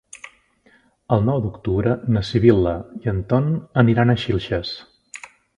El nou d'octubre na Sibil·la i en Ton aniran a Xilxes.